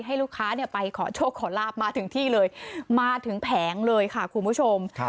ให้ลูกค้าเนี่ยไปขอโชคขอลาบมาถึงที่เลยมาถึงแผงเลยค่ะคุณผู้ชม